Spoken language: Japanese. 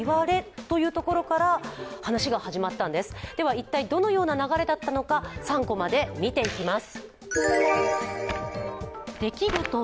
一体どのような流れだったのか３コマで見ていきます。